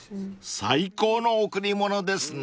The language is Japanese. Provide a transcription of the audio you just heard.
［最高の贈り物ですね］